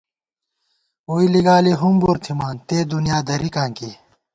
ووئی لِگالی ہُمبر تھِمان تے دُنیا درِکاں کی